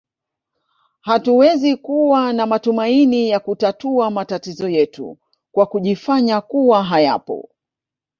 Hatuwezi kuwa na matumaini ya kutatua matatizo yetu kwa kujifanya kuwa hayapo